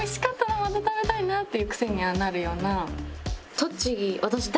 また食べたいな」っていうクセになるような。